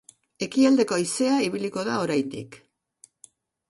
Ekialdeko haizea ibiliko da oraindik.